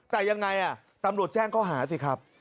แต่ยังไงตำรวจแจ้งข้อหาสิครับ